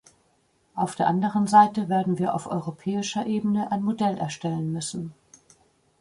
Auf der anderen Seite werden wir auf europäischer Ebene ein Modell erstellen müssen.